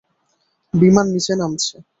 বিমান নিচে নামছে।